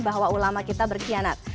bahwa ulama kita berkhianat